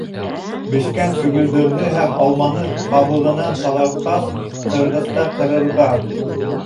Бешкән сөгөлдөрҙө һәм алманы ҡабығынан таҙартҡас, ҡырғыста ҡырырға.